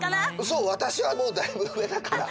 そうわたしはもうだいぶうえだから。